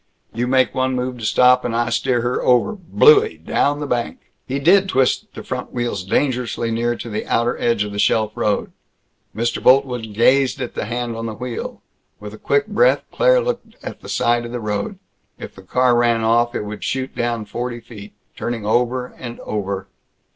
You make one move to stop, and I steer her over Blooie! Down the bank!" He did twist the front wheels dangerously near to the outer edge of the shelf road. Mr. Boltwood gazed at the hand on the wheel. With a quick breath Claire looked at the side of the road. If the car ran off, it would shoot down forty feet ... turning over and over.